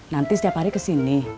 nanti setiap hari kesini